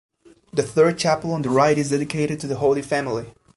The third chapel on the right is dedicated to the Holy Family.